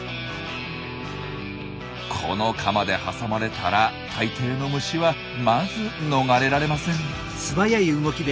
このカマで挟まれたら大抵の虫はまず逃れられません。